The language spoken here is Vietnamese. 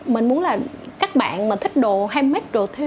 mình muốn là các bạn mà thích đồ